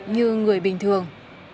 như người bình thường